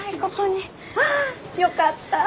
よかった。